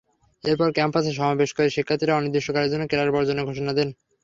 এরপর ক্যাম্পাসে সমাবেশ করে শিক্ষার্থীরা অনির্দিষ্টকালের জন্য ক্লাস বর্জনের ঘোষণা দেন।